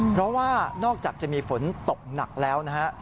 เพราะว่านอกจากจะมีฝนตกหนักแล้วนะฮะ